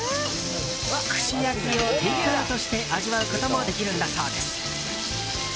串焼きをテイクアウトして味わうこともできるんだそうです。